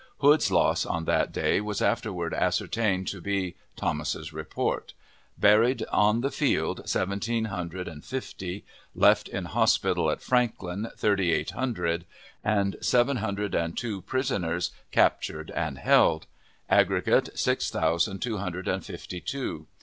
Hood's loss on that day was afterward ascertained to be (Thomas's report): Buried on the field, seventeen hundred and fifty; left in hospital at Franklin, thirty eight hundred; and seven hundred and two prisoners captured and held: aggregate, six thousand two hundred and fifty two.